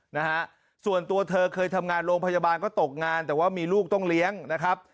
นะฮะส่วนตัวเธอเคยทำงานโรงพยาบาลก็ตกงานแต่ว่ามีลูกต้องเลี้ยงนะครับ